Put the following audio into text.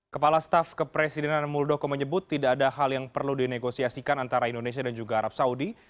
kepala staf kepresidenan muldoko menyebut tidak ada hal yang perlu dinegosiasikan antara indonesia dan juga arab saudi